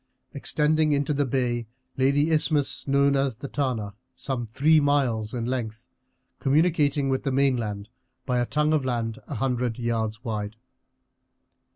Extending into the bay lay the isthmus, known as the Tana, some three miles in length, communicating with the mainland by a tongue of land a hundred yards wide.